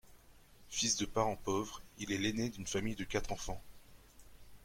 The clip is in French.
Fils de parents pauvres, il est l'aîné d'une famille de quatre enfants.